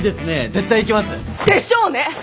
絶対行きます。でしょうね！